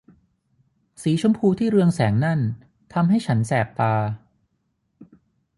สีชมพูที่เรืองแสงนั่นทำให้ฉันแสบตา